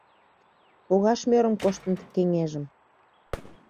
Погаш мӧрым коштын кеҥежым